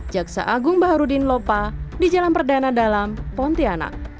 jaksa agung baharudin lopa di jalan perdana dalam pontianak